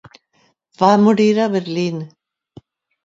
Va morir a Berlín.